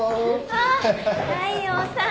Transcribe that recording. あっ大陽さん。